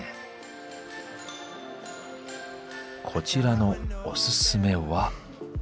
こちらのおすすめは。